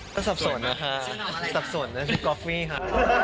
ก็สับสนนะคะสับสนนะพี่ก๊อฟฟี่ค่ะ